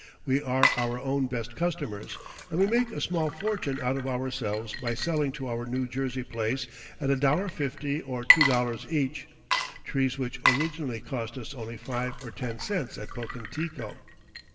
We are our own best customers, and we make a small fortune out of ourselves by selling to our New Jersey place at $1.50 or $2.00 each, trees which originally cost us only five or ten cents at Pocantico.